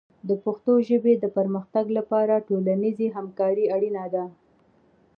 د پښتو ژبې د پرمختګ لپاره ټولنیز همکاري اړینه ده.